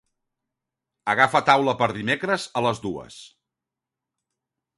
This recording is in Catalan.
Agafa taula per dimecres a les dues.